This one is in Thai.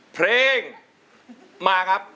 เพลงมาครับ